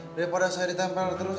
daripada saya ditempel terus